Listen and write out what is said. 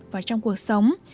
và trong cuộc sống